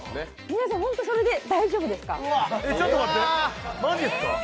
皆さん、本当にそれで大丈夫ですか？